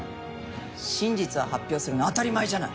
真実を発表するの当たり前じゃない。